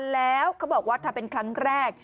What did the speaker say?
แล้วเขาบอกว่าถ้าเป็นครั้งแรก